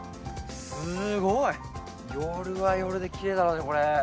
すごい！夜は夜で奇麗だろうねこれ。